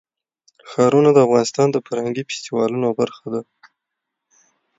ښارونه د افغانستان د فرهنګي فستیوالونو برخه ده.